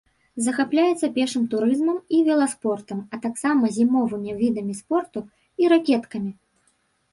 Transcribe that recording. Захапляецца пешым турызмам і веласпортам, а таксама зімовымі відамі спорту і ракеткамі.